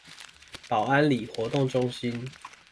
寶安里活動中心